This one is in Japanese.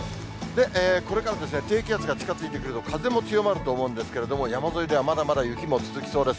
これから低気圧が近づいてくると、風も強まると思うんですけれども、山沿いではまだまだ雪も続きそうです。